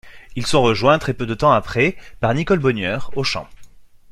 Ils sont rejoints très peu de temps après par Nicole Bogner au chant.